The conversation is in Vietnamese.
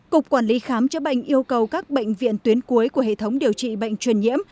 cục quản lý khám chữa bệnh yêu cầu các bệnh viện tuyến cuối của hệ thống điều trị bệnh truyền nhiễm